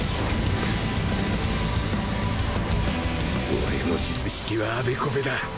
俺の術式は「あべこべ」だ。